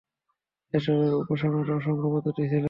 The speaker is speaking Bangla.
এসবের উপাসনার অসংখ্য পদ্ধতি ছিল।